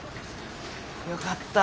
よかった